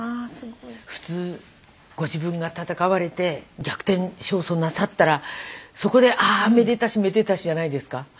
普通ご自分が闘われて逆転勝訴なさったらそこでああめでたしめでたしじゃないですか。